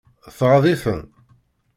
Tɣaḍ-iten?